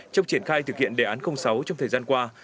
trong triển khai thực hiện đề án sáu trong thời gian qua